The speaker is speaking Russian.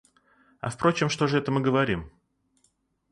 А впрочем, что же это мы говорим?